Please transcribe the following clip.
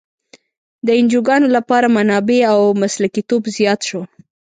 د انجوګانو لپاره منابع او مسلکیتوب زیات شو.